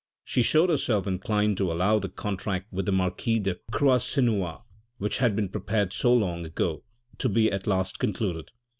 She showed herself inclined to allow the contract with the marquis de Croisenois, which had been prepared so long ago, to be at last concluded.